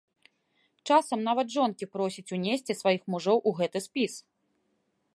Часам нават жонкі просяць унесці сваіх мужоў у гэты спіс.